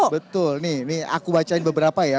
betul nih ini aku bacain beberapa ya